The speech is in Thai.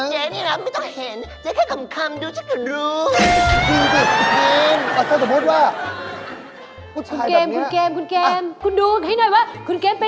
นี่แหละไม่ต้องเห็นเจ๊แค่คำดูเจ๊ก็รู้